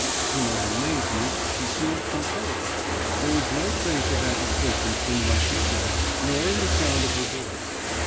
To my amazement, she seemed composed; there was no trace of agitation in what she said, nor in the sound of her voice.